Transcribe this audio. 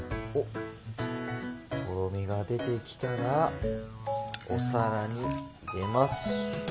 とろみが出てきたらお皿に入れます。